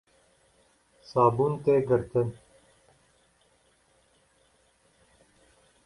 Sabûn tê girtin